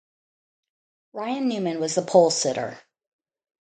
Ryan Newman was the polesitter.